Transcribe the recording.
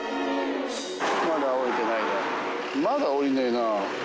まだ降りねえな。